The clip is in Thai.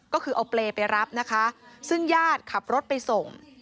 ก็คือเอาเปรย์ไปรับนะคะซึ่งญาติขับรถไปส่ง